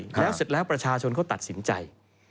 แล้วเสร็จแล้วประชาชนเขาตัดสินใจ